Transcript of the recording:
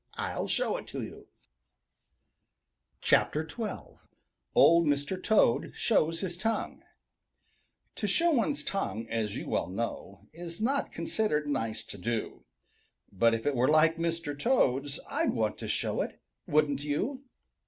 I'll show it to you." XII OLD MR. TOAD SHOWS HIS TONGUE To show one's tongue, as you well know, Is not considered nice to do; But if it were like Mr. Toad's I'd want to show it wouldn't you?